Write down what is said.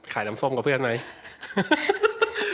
น้ำส้มกับเพื่อนไหม